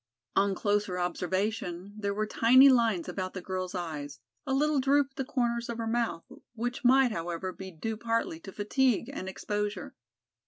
On closer observation there were tiny lines about the girl's eyes, a little droop at the corners of her mouth, which might, however, be due partly to fatigue and exposure.